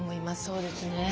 そうですね。